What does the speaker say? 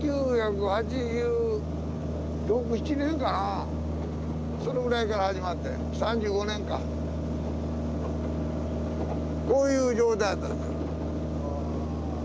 １９８６１９８７年かなそのぐらいから始まって３５年間こういう状態やった。